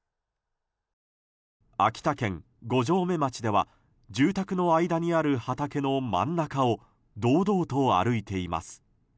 秋田県五城目町では住宅の間にある畑の真ん中を堂々と歩いています。